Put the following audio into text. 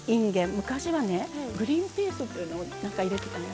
昔はねグリーンピースというのを入れてたのよ。